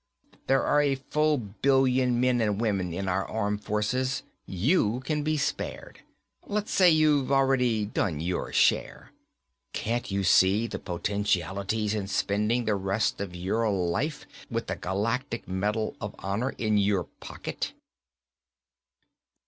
There are a full billion men and women in our armed forces, you can be spared. Let's say you've already done your share. Can't you see the potentialities in spending the rest of your life with the Galactic Medal of Honor in your pocket?"